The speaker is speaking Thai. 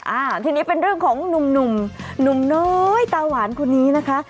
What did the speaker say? อ่าทีนี้เป็นเรื่องของหนุ่มหนุ่มหนุ่มน้อยตาหวานคนนี้นะคะ